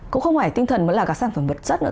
cũng không phải tinh thần mà là cả sản phẩm vật chất nữa